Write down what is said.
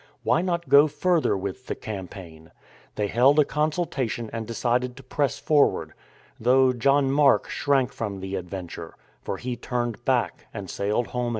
Why not go further with the campaign? They held a consulta tion and decided to press forward, though John Mark shrank from the adventure — for he turned back and sailed home again to Syria.